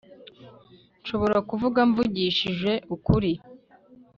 Nshobora kuvuga mvugishije ukuri